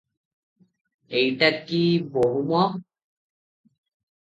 ଏଇଟା କି ବୋହୂ ମ!